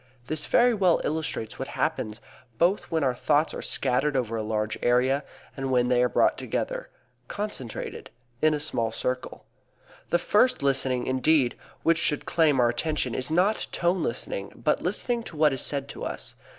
This very well illustrates what happens, both when our thoughts are scattered over a large area, and when they are brought together concentrated in a small circle. The first listening indeed which should claim our attention is not tone listening, but listening to what is said to us.